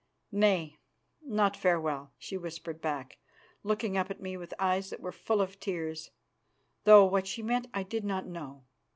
"Nay, not farewell," she whispered back, looking up at me with eyes that were full of tears, though what she meant I did not know.